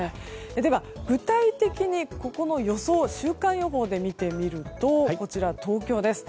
では、具体的にここの予想を週間予報で見てみると東京です。